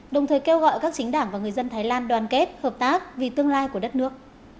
đồng thời kêu gọi các chính đảng và người dân thái lan đoàn kết hợp tác vì tương lai của đất nước